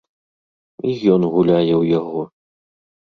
І ён гуляе ў яго.